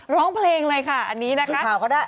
ร้องเพลงเลยค่ะอันนี้นะคะ